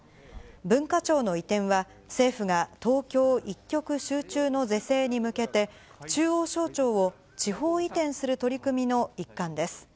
文化庁の移転は、政府が東京一極集中の是正に向けて、中央省庁を地方移転する取り組みの一環です。